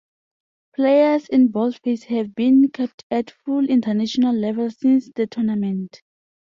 Players in boldface have been capped at full international level since the tournament.